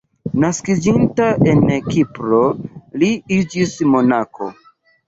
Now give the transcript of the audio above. Naskiĝinta en Kipro li iĝis monako.